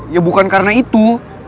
ya bukan karena itu